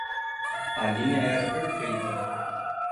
A linha era perfeita.